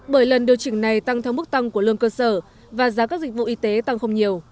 bởi lần điều chỉnh này tăng theo mức tăng của lương cơ sở và giá các dịch vụ y tế tăng không nhiều